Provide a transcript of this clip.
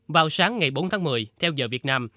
vào sáng ngày bốn tháng một mươi theo giờ việt nam